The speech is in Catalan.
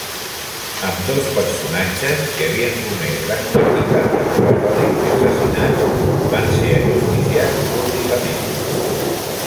Ambdós personatges, que havien comès gran quantitat de robatoris i assassinats, van ser ajusticiats públicament.